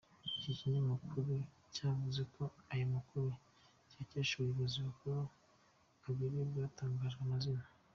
Iki kinyamakuru cyavuze ko aya makuru kiyakesha abayobozi bakuru babiri batatangajwe amazina.